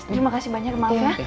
terima kasih banyak maaf ya